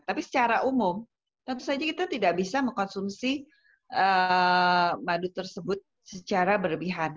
tapi secara umum tentu saja kita tidak bisa mengkonsumsi madu tersebut secara berlebihan